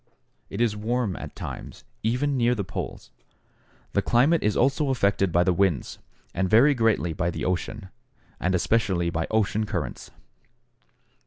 It is warm at times, even near the poles. The climate is also affected by the winds, and very greatly by the ocean, and especially by ocean currents.